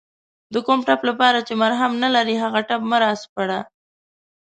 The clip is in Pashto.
د کوم ټپ لپاره چې مرهم نلرې هغه ټپ مه راسپړه